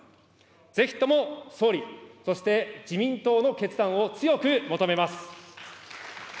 ぜひとも総理、そして自民党の決断を強く求めます。